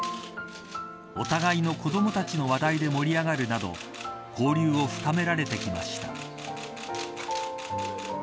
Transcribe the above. お互いの子どもたちの話題で盛り上がるなど交流を深められてきました。